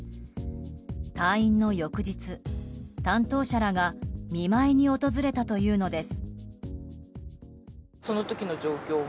退院の翌日、担当者らが見舞いに訪れたというのです。